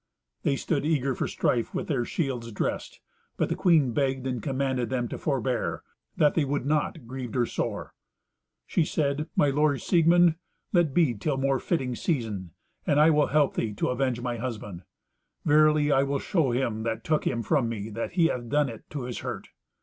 They stood eager for strife with their shields dressed, but the queen begged and commanded them to forbear; that they would not, grieved her sore. She said, "My lord Siegmund, let be, till more fitting season, and I will help thee to avenge my husband. Verily, I will show him that took him from me that he hath done it to his hurt.